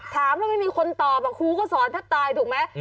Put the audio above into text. ถามแล้วไม่มีคนตอบครูก็สอนแทบตายถูกไหม